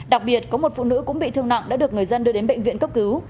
đặc biệt có một phụ nữ cũng bị thương nặng đã được người dân đưa đến bệnh viện cấp cứu